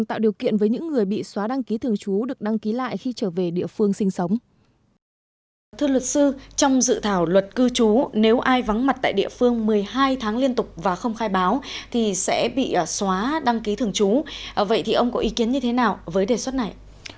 thưa luật sư trong dự thảo luật cư trú nếu ai vắng mặt tại địa phương một mươi hai tháng liên tục và không khai báo thì sẽ bị xóa đăng ký thường trú vậy thì ông có ý kiến như thế nào với đề xuất này